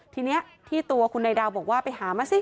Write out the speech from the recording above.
ทีนี้ที่ตัวคุณนายดาวบอกว่าไปหามาสิ